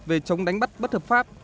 về chống đánh bắt bất hợp pháp